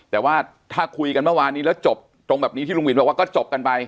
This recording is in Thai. แต่ว่าถ้าคุยกันเมื่อวานนี้แล้วจบตรงแบบนี้ที่ลุงวินบอกว่าก็จบกันไป